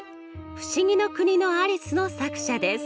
「不思議の国のアリス」の作者です。